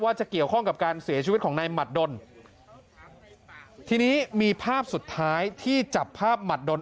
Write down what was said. จะเกี่ยวข้องกับการเสียชีวิตของนายหมัดดนทีนี้มีภาพสุดท้ายที่จับภาพหมัดดน